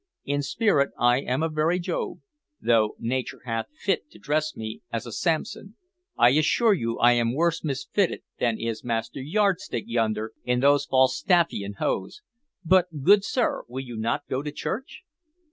In spirit I am a very Job, though nature hath fit to dress me as a Samson. I assure you, I am worse misfitted than is Master Yardstick yonder in those Falstaffian hose. But, good sir, will you not go to church?"